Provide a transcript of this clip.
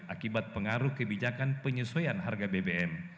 akibat pengaruh kebijakan penyesuaian harga bbm